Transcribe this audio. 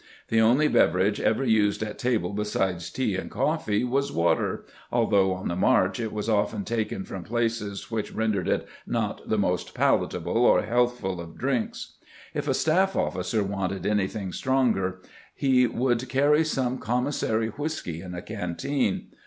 The only beverage ever used at table besides tea and coffee was water, although on the march it was often taken from places which ren dered it not the most palatable or healthful of drinks. If a staff ofl&cer wanted anything stronger he would carry some commissary whisky in a canteen.